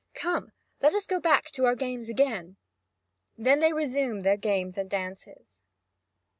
Come, let us go back to our games again." Then they resume their games and dances.